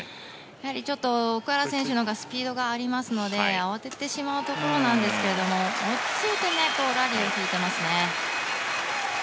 奥原選手のほうがスピードがありますので慌ててしまうところなんですが落ち着いてラリーをやってますね。